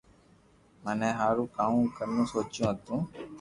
مي ٿو ھارو ڪاو ڪاو سوچيو ھتو